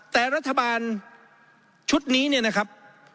แต่รัฐบาลชุดนี้เนี่ยนะครับ